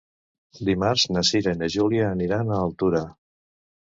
Dimarts na Cira i na Júlia aniran a Altura.